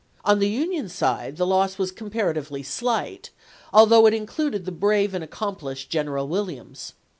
On the Union side the loss was comparatively slight, although it included the brave and accomplished General Williams.